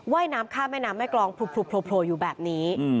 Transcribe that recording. ว่ายน้ำข้ามแม่น้ำแม่กรองโผล่อยู่แบบนี้